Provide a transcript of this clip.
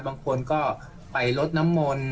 บางคนก็ไปลดน้ำมนต์